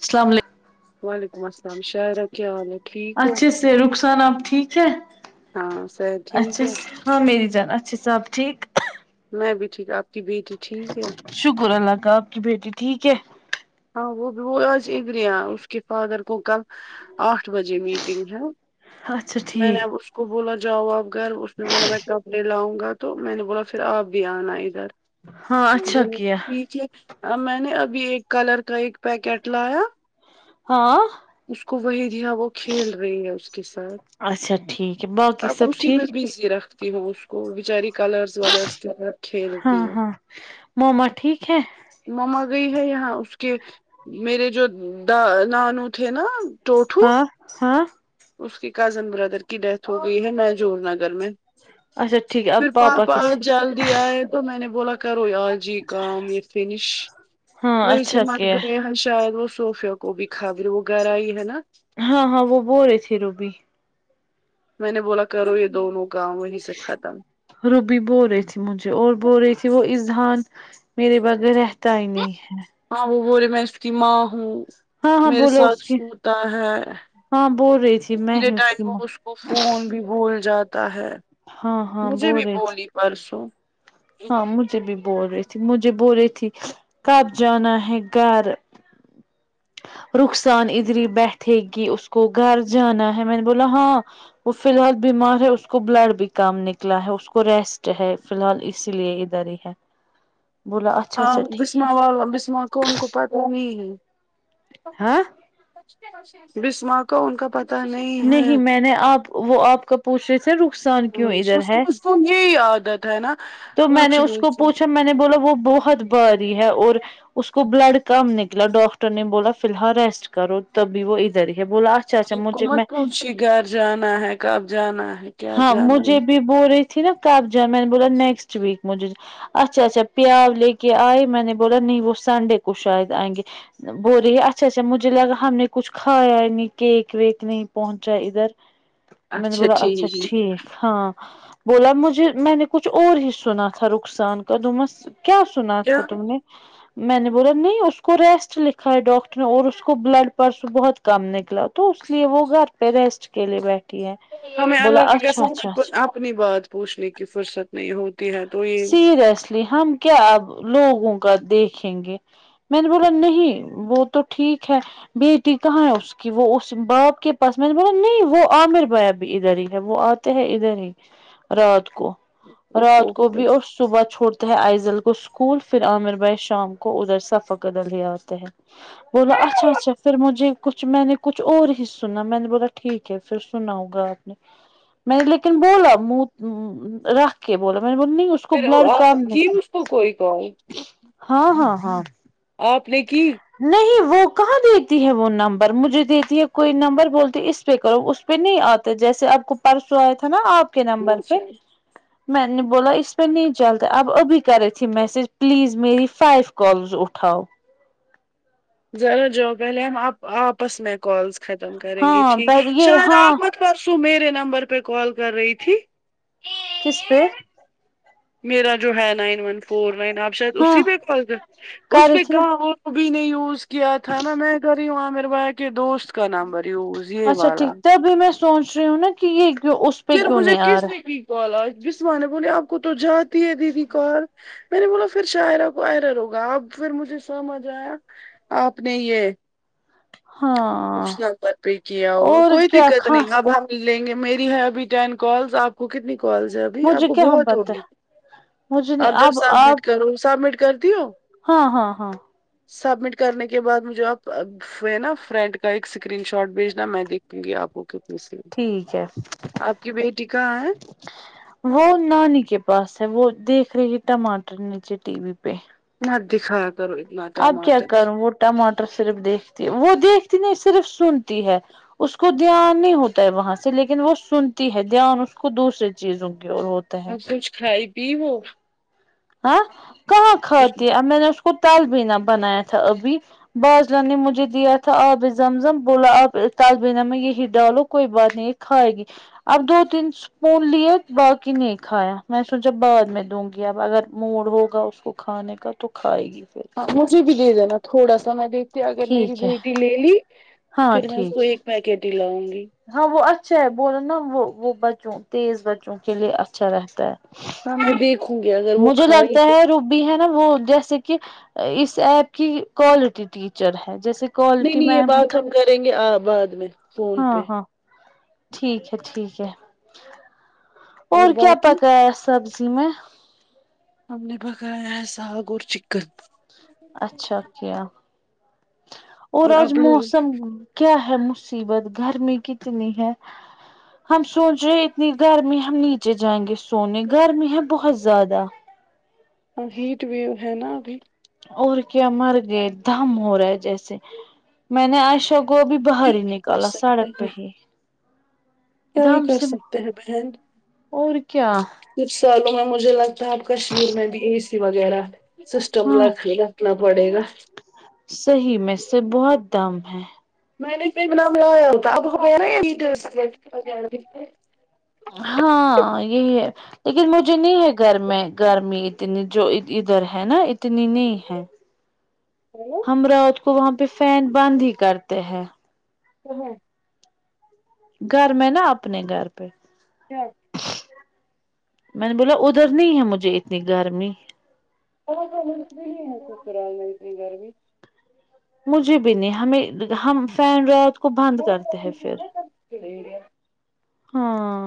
السلام وعلیکم السلام شہرہ کیا حال ہے ٹھیک ہو س ن آب ٹھیک ہے ہاں صحت ٹھیک اچھا ہے ہامیری جان اچھا صاب ٹھیک میں بھی ٹھیک آپ کی بیٹی ٹھیک ہے شکر اللہ کا آپ کی بیٹی ٹھیک ہے ہاں وہ بھی وہ آج ادریا اس کے فادر کو کل آٹھ بجے میٹنگ اچھا ہےمیں نے ٹھیک اب اس کو کو بولا جاؤ آپ گھر اس نے بولا میں کپڑے لاؤں گا تو میں نے بولا پھر آپ بھی آنا ادھر ہاں اچھا بولا کیا ٹھیک ہے ہ میں نے ابھی ایک کلر کا ایک پیکٹ لایا ہاں اس کو وہی دیا وہ کھیل رہی ہیں اس کے ساتھ اچھا ٹھیک ہے باقی اب سب اسی میں ٹھیک بزی رکھ تی ہو اس کو بچاری کلرس ولرس کیا ہاں کھیلتی ہے ہاں موما ٹھیک ہے مما گئی ہے یہاں اس کے میرے جو دا نانو تھے نا ٹوٹو ہاں ہاں اس کے کزن بردر کی ڈیتھ ہو گئی ہے نجور نگر میں اچا ٹیک [unintelligible] پھر پاپا جلدی آئے تو میں نے بولا کرو آجی کام یہ فنش ہاں وہی سے اچھا مت کیا گئے ہیں شاید وہ صوفیا کو بھی خبر وہ گھر آئی ہے نا ہاں ہاں وہ بول رہے تھے روبی میں نے بولا کرو یہ دونوں کام وہیں سے ختم روبی بول رہی تھی مجھے اور بو رہی تھی وہ اذہان میرے بغیر رہتا ہی نہیں ہے ہاں وہ بول رہے میں اس کی ماں ہوں ہاں ہاں میرے بولو ساتھ اس کی شوتا ہے ہاں بول رہی تھی میں میرے ہی اس ٹائم کی میں ماں مش وہ فون بھی بھول جاتا ہے ہاں ہاں مجھے بول بھی رہی تھی بولی پرسوں ہاں مجھے بھی بول رہی تھی مجھے بول رہی تھی کب جانا ہے گھر رخسان ادری بیٹھے گی اس کو گھر جانا ہے میں نے بولا ہاں وہ فی الحال بیمار ہے اس کو بلڈ بھی کام نکلا ہے اس کو ریسٹ ہے فی الحال اسی لیے ادھر ہی ہے بولا اچھا ہاں اچھا ٹھیک بسمہ والا بسمہ کون کو پتاہ نہیں ہے ہاں بسما کا ان کا پتا نہیں میں نے آپ وہ آپ کا پوچھنے سے ہ اس کی اس کو یہی عادت ہے نا تو میں نے اس پوچھنے کو کی پوچھا میں نے بولا وہ بہت باری ہے اور اس کو بلڈ کم نکلا ڈاکٹر نے بولا فی الحال ریسٹ کرو تبھی وہ ادھر ہی ہے بولا اچھ ان کو مت پوچے گھر جانا ہے کپ جانا ہے کیا ہاں جانا ہے مجھے بول رہی تھی نا کب جا ہے میں نے بولا نیکسٹ ویک مجھے اچھا اچھا پیار لے کے آئے میں نے بولا نہیں وہ سنڈے کو شاید آئیں گے بول رہی ہے اچھا اچھا مجھے لگا ہم نے کچھ کھایا نہیں کیک ویک نہیں پہنچا ادھر میں نے بولا اچھا ٹھیک ہے، ٹھیک ہاں بولا مجھے میں نے کچھ اور ہی سنا تھا رخسان کا دوومس کیا سنا کیا تھا تم نے میں نے بولا نہیں اس کو ریسٹ لکھا ہے ڈاکٹر نے اور اس کو بلڈ پرس بہت کم نکلا تو اس لیے وہ گھر پہ ریسٹ کے لیے بیٹھی ہے ہمیں بولا اللہ کی اچھا اچھا قسم اچھا اپنی بات پوچھنے کی فرصت نہیں ہوتی ہے تو یہ سیریسلی ہم کیا اب لوگوں کا دیکھیں گے میں نے بولا نہیں وہ تو ٹھیک ہے بیٹی کہاں ہے اس کہ وہ اس باپ کے پاس میں نے بولا نہیں وہ عامر بھیا ا بھی ادھر ہی ہے وہ آتے ہیں ادھر ہی رات کو اوف رات اوف کو اوف۔ بھی اس صبح چھوڑتے ہے آئزل کو اسکول پھر عامر بھائی شام کو ادھر س فقد ہی آتے ہے بولا اچھا اچھا پھر مجھے کچھ میں نے کچھ اور ہی سنا میں نے بولا ٹھیک کہ پھر سناؤ گا میں لی نے بولا منہ رکھ کے بولا میں نہیں اس کو پھر بلڈ آپ کم کی نکلا اس کو کوئی کال ہاں ہاں ہاں آپ نے کی نہیں وہ کہاں دیتی ہے وہ نمبر مجھے دیتی ہے کوئی نمبر بولتی اس پہ کرو اس پہ نہیں آتے جیسے آپ کو پرسو آیا تھا نا آپ کے نمبر پہ ماشاء میں نے بولا اس پہ نہیں چلتا اب ابھی کری تھے میسج پلیز میری فائف کالز اٹھاؤ ضرور جاؤ پہلے ہم آپ آپس میں کالس ختم کریں گے ہاں ٹھیک پر یہ شاید ہاں آپ پرسوں میرے نمبر پر کال کر رہی تھی کس پہ میرا جو ہے نائن ون فور نائن آپ شاید ہاں اسی پہ کال کر کر اس رہی پہ تھی نا کہاں بھی نے یوز کیا تھا نا میں کری وہاں میرے بھائی کے دوست کا نمبر یوز یہ اچھا والا ٹھیک تبھی میں سوچ رہی ہو نا کی یہ جو اس پہ پھر کیوں مجھے نہیں آ کس رہا نے ہے۔ کی کال آج بسماں نے بولی آپ کو تو جاتی ہے دیدی کال میں نے بولا پھر شایرہ کو آئرر ہوگا اب پھر مجھے سمجھ آیا آپ نے یہ ہاں اس نمبر پہ کیا اور کوئی کیا دقت کھا نہیں اب ہم مل لیں گے میری ہے ابھی ٹین کالس آپ کو کتنی کالز ہے ابھی آپ مجھے کو کیا بہت پتہ ہوگی ہے مجھے نہیں آپ جب اب آپ سبمٹ کرو سبمٹ کر دی ہو ہاں ہاں ہاں سبمٹ کرنے کے بعد مجھے آپ نا فرینڈ کا ایک اسکرین شاٹ بھیجنا میں دیکھوں گی آپ کو کی ٹھیک ہے آپ کی بیٹی کہاں ہے وہ نانی کے پاس ہے وہ دیکھ رہی ہے ٹماٹر نیچے ٹی وی پہ نا دکھایا کرو اتنا اب کیا ٹماٹر کروں وہ ٹماٹر صرف دیکھتی ہے وہ دیکھتی نہیں صرف سنتی ہے اس کو دھیان نہیں ہوتا ہے وہاں سے لیکن وہ سنتی ہے دھیان اس کو دوسریے چیزوں کی اور ہو کچھ کھائی پی وہ ہاں کہاں کھاتی اب میں نے اس کو تال بھینا بنایا تھا ابھی باجروں نے مجھے دیا تھا آب زمزم بولا آپ تال بھی میں یہی ڈالو کوئی بات نہیں کھائے گی اب دو تین اسپون لیے باقی نہیں کھایا میں سوچا بعد میں دوں گی اب اگر موڈ ہوگا اس کو کھانے کا تو کھائے گی پھر ہاں مجھے بھی دے دینا تھوڑا سا میں دیکھتی ہوں اگر میری ٹھیک ہے بیٹی لے لی ہاں پھر میں اس کو ٹھیک ہے ایک پیکٹ ہی لاؤں گی ہاں وہ اچھا ہے بول نا وہ وہ بچوں تیز بچوں کے لیے اچھا رہتا ہے [unintelligible] وہ مجھے کھائی لگتا تو ہے رو بھی ہے نا وہ جیسے کہ اس ایپ کی کوالٹی ٹیچر ہے جیسے کہ نہیں نہیں یہ بات ہم کریں گے بعد میں فون ہاں پہ ہاں ٹھیک ہے ٹھیک ہے اور کیا پکایا سبزی میں ہم نے پکایا ہے ساگ اور چکن اچھا کیا اور آج آپ موسم لوگ کیا ہے مصیبت گرمی کتنی ہے ہم سوچ رہے اتنی گرمی ہم نیچے جائیں گے سونے گرمی ہے بہت زیادہ ہ ہیٹ ویو ہے نا ابھی اور کیا مر گئے دم ہو رہا ہے جیسے میں نے ایشا کو ابھی باہر کیا ہی کر نکالا سکتے سڑک پہ ہیں ہی کیا ہی دم کر سے سکتے ہیں بہن اور کیا کچھ سالوں میں مجھے لگتا ہے اب کشمیر میں بھی اے سی وغیرہ سسٹم ہاں رکھ رکھنا پڑے گا صحیح میں سے سب بہت دم ہے میں نے ب نام ع [unintelligible] یال تو اب ہم نی ہاں یہی ہے لیکن مجھے نہیں ہے گگر میں گرمی اتنی جو ادھر ہے نا اتنی نہیں ہے ہمرا تو وہاں پہ فین بند ہی کرتے ہیں تو ہاں گھر میں نا اپنے گھر پہ کیا میں نے بولا ادھر نہیں ہے مجھے اتنی گرمی گرمی مجھے بھی نہیں ہمیں ہم فین ر کو بند کرتے ہے پھر گرمی ہاں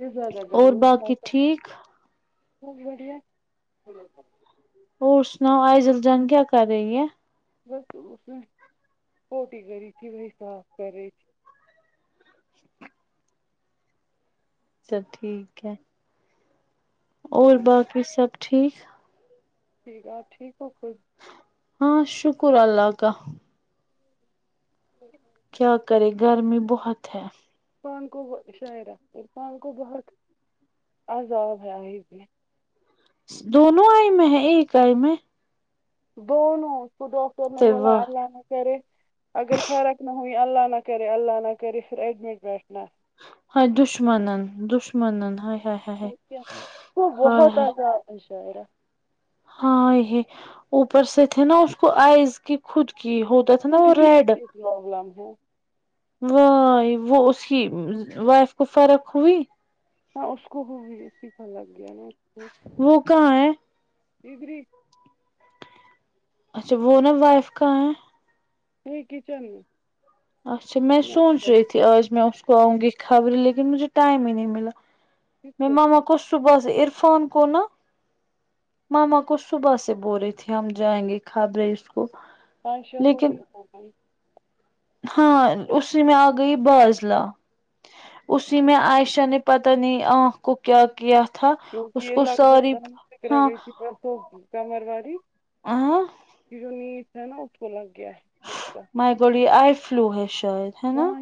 یہ زیادہ اور گرمی باقی ٹھیک [unintelligible] بھی اور سناؤ آئزل جان کیا کر رہی ہے بس اس نے چوٹی کری تھی وہی صاف کر رہی تھی چل ٹھیک ہے اور ہاں باقی سب ٹھیک ٹھیک ہے آپ ٹھیک ہو خود ہاں شکر اللہ کا کیا کرے گرمی بہت ہے عرفان کو شاعر عرفان کو بہت عذاب ہے علی کی دونوں آئی میں ہے ایک آئی میں دونوں کو ڈاکٹر نے بولا واہ ار لانے کو کر اگر فرق نہ ہو اللہ نہ کرے اللہ نہ کر پھر ایڈمٹ بیٹھنا ہ دشمنن نن دشمنن نن ہ ہ وہ بہت آزاد ہے شاعرہ ہاں یہ اوپر سے تھے نا اس کو آئز کی کھود کی ہوتی مٹ گ [unintelligible] ی چ پرولم ہے و وہ اس کی وائف کو فرق ہوئی ہ اس کو وہ سیکھا لگ گیا نا وہ کہاں ہے دیگری اچھا وہ نا وائف کہاں ہے نہیں کچن اچھا میں سوچ رہی تھی آج میں اس کو آؤں گی خبریں لیکن مجھے ٹائم ہی نہیں ملا کس کو ماما وا کش تو کر دی عرفان کو نا ماما کچھ تو بات سے بول رہی تھی ہم جائیں گے کھبریں اس کو پانچ شو [unintelligible] کو لیکن نہیں ہوائی ہاں اسی میں آ گئی بازلا اسی میں عائشہ نے پتہ نی آنکھ کو کیا کیا تھا کیونکہ اس یہ کو لگ ساری فکر ہاں گئی تو کمر واڈی ہاں جو نیت ہے نا اس کو لگ گیا ہے اس کا میں بولی ائے فلو ہے شاید ہے وہ نا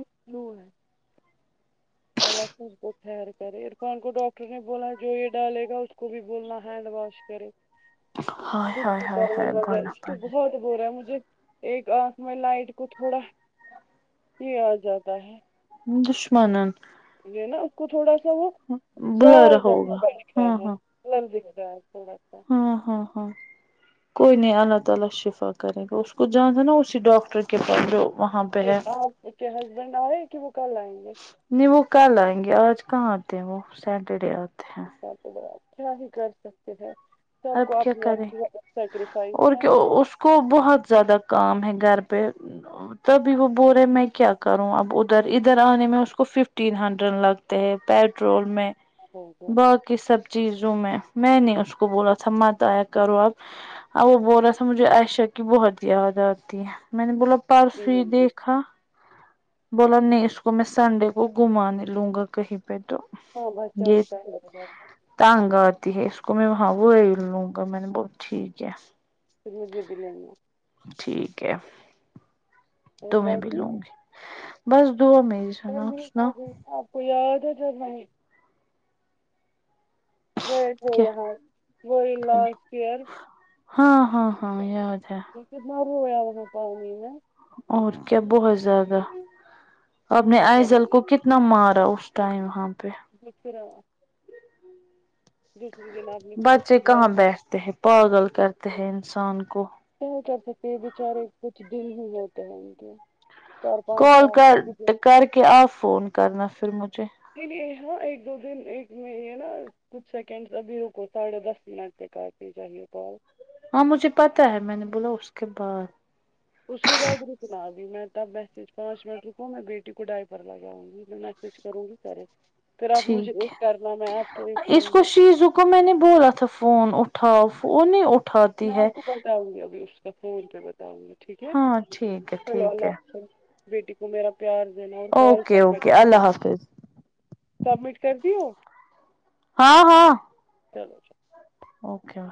اللہ سب کو خیر کرے عرفان کو ڈاکٹر نے بولا جو یہ ڈالے گا اس کو بھی بولنا ہینڈ واش ہینڈ واش کرے ہائے ہائے ہائے ہائے گانا اس سے پانے بہت برا ہے مجھے ایک آنکھ میں لائٹ کو تھوڑا بھی ا جاتا ہے دشمنن یہ نا اس کو تھوڑا سا وہ بلا رہا زد ہوگا گا [unintelligible] ہاں ہے ہاں بلر دکھ رہا ہے تھوڑا سا ہاں ہاں ہاں کوئی نہیں اللہ تعالی شفا کرے گا اس کو جہاں تھا نا اسی ڈاکٹر سے کے پاس جاؤ وہاں اس پہ نے ہے کہا آپ کے ہسبینڈ آئے کہ وہ کل آئیں گے نہیں وہ کل آئیں گے آج کہاں آتے ہیں وہ سیٹرڈے آتے ہیں ستردے تو کیا ہی کر سکتے ہیں سب کو اب کیا کریں اپنینی سیکریفائس اور ہے کیا نا اس کو بہت زیادہ کام ہے گھر پہ تبھی وہ بول رہے میں کیا کروں اب ادھر ادھر آنے میں اس کو ففٹین ہنڈرینڈ لگ پیٹرول میں ہوگا باقی سب چیزوں میں میں نہیں اس کو بولا اچھا مت ایا کرو اپ اور وہ بول رہا تھا مجھے عشہ کی بہت یاد آتی ہے میں نے بولا ہوتی پرسو ہی ہوگی دیکھا بولا نہیں اس کو میں سنڈے کو گھمانے لوں گا کہیں پہ تو ہاں بچا یہ بھی تو پہلے ہو جایے تنگ آتی ہے اس کو میں وہاں وہی لوں گا میں نے بول ٹھیک ہے پھر مجھے بھی لینیوں ٹھیک ہے اور تو میں بھی باقی لوں گی بس دو مز جرمنی ہو گئی آپ کو یاد ہے جرمنی گئے تھے کیا یہاں وہی لاسٹ ایئر ہاں ہاں ہاں یاد ہے یہ نرویا میں پاو نا [unintelligible] اور کیا بہت زیادہ آ پ نے تو جب آئزل کو کتنے نہ مارا اس ٹائم وہاں پہ [unintelligible] دوسری جناب بچے کہاں بیٹھتے ہیں پاگل کرتے ہیں انسان کو کیا کر سکتے ہیں بچارے کچھ دن ہی ہوتے ہیں ان کے چار پانچ کال سال کر پھر بھی کر کے آپ فون کرنا پھر مجھے چلیے ہاں ایک دو دن ایک میں ہے نا کچھ سیکنڈ ابھی رک ساڑھے دس منٹ پہ کاٹنی چاہیے کال ہاں مجھے پتا ہے میں نے بولا اس کے بعد تو اس کے بعد رکنا ابھی میں تب میسج پانچ منٹ رکوں میں بیٹی کو ڈائی پر لگاؤں گی میں میسج کروں گی کرے پھر آپ مجھے ٹھیک ہے ایک کرنا میں آپ کو یہ اس کروں کو گی شیزو میں نے بولا تھا فون اٹھاؤ فون نہیں اٹ میں آپ کو بتاؤں گی ابھی اس کا فون پہ بتاؤں گا ٹھیک ہے ہاں ٹھیک ہے چلو ٹھیک اللہ ہے حافظ بیٹی کو میرا پیار دین اور کال اوکے سبٹ اوکے اللہ حافظ سبمٹ کر د ہو ہاں ہاں چلو [unintelligible] اوکے